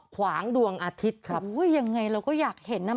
ขวางดวงอาทิตย์ครับอุ้ยยังไงเราก็อยากเห็นน่ะ